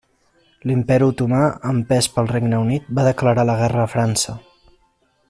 L'Imperi Otomà, empès pel Regne Unit, va declarar la guerra a França.